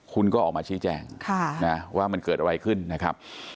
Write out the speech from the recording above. คุณก็ออกมาชี้แจงว่ามันเกิดอะไรขึ้นนะครับ